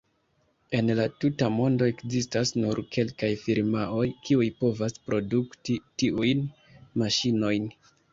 En la tuta mondo ekzistas nur kelkaj firmaoj, kiuj pova produkti tiujn maŝinojn.